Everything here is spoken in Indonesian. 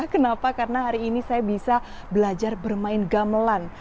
kenapa karena hari ini saya bisa belajar bermain gamelan